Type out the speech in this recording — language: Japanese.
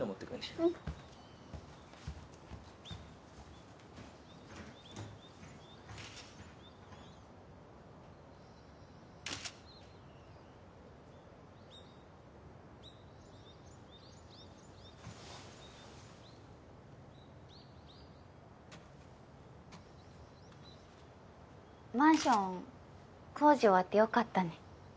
うんマンション工事終わってよかったね